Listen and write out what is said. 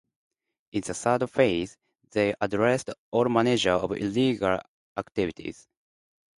In the third phase, they addressed all manner of illegal activities.